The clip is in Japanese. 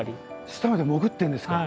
下まで潜ってるんですか？